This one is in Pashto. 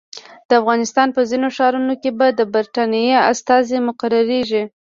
د افغانستان په ځینو ښارونو کې به د برټانیې استازي مقرریږي.